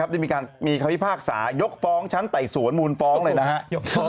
ติมีคราวภิภาคสายกฟ้องชั้นไต่สวนมูรฟ้องเลยนะครับ